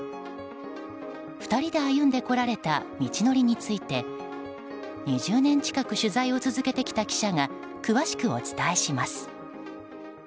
２人で歩んでこられた道のりについて２０年近く取材を続けてきた記者が詳しくお伝えします。